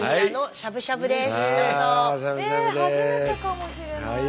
え初めてかもしれない。